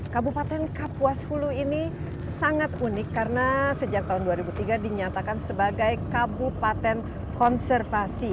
kabupaten kapuas hulu ini sangat unik karena sejak tahun dua ribu tiga dinyatakan sebagai kabupaten konservasi